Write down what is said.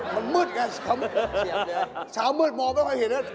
มันมืดไงเช้ามืดมองไม่ค่อยเห็น